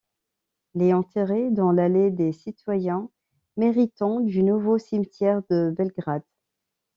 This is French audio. Il est enterré dans l'Allée des citoyens méritants du Nouveau cimetière de Belgrade.